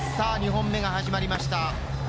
２本目が始まりました。